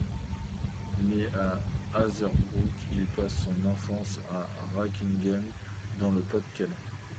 Né à Hazebrouck, il passe son enfance à Racquinghem dans le Pas-de-Calais.